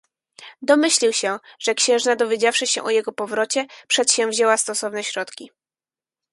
"Domyślił się, że księżna dowiedziawszy się o jego powrocie, przedsięwzięła stosowne środki."